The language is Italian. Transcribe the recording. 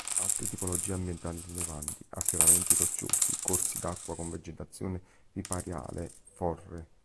Altre tipologie ambientali rilevanti Affioramenti rocciosi, corsi d'acqua con vegetazione ripariale, forre.